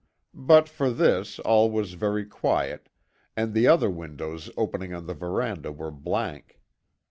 But for this, all was very quiet, and the other windows opening on the veranda were blank.